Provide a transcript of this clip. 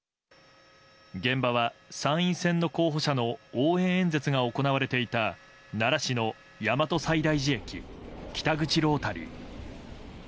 現場は、参院選の候補者の応援演説が行われていた奈良市の大和西大寺駅北口ロータリー。